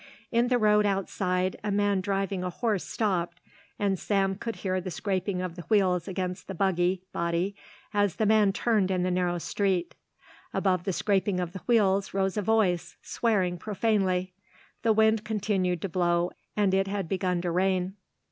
In the road outside a man driving a horse stopped and Sam could hear the scraping of the wheels against the buggy body as the man turned in the narrow street. Above the scraping of the wheels rose a voice, swearing profanely. The wind continued to blow and it had begun to rain.